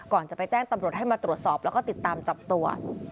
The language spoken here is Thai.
ก่อนจะไปแจ้งตำรวจให้มาตรวจสอบแล้วก็ติดตามจับตัว